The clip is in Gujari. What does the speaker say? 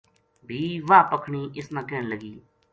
بھی واہ پکھنی اس نا کہن لگی